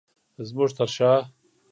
زمونږ تر شاه